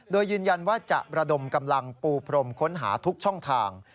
โดยยืนยันว่าจะระดมกำลังปูพรมค้นหาทุกช่องทาง